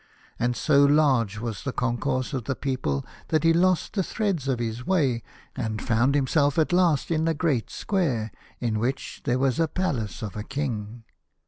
And so large was the concourse of the people, that he lost the threads of his way, and found himself at last in a great square, in which there was a palace of a King.